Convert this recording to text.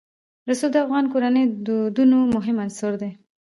رسوب د افغان کورنیو د دودونو مهم عنصر دی.